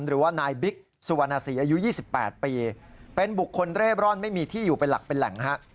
หรือว่านายบิ๊กสุวรรณศรีอายุ๒๘ปีเป็นบุคคลเร่ร่อนไม่มีที่อยู่เป็นหลักเป็นแหล่งฮะ